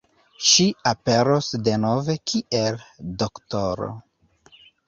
Ŝi aperos denove kiel D-ro.